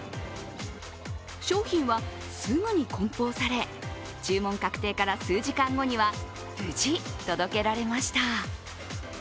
商品はすぐにこん包され、注文確定から数時間後には無事、届けられました。